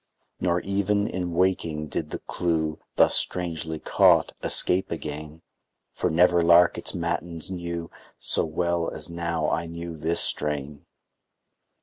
Nor even in waking did the clew, Thus strangely caught, escape again; For never lark its matins knew So well as now I knew this strain.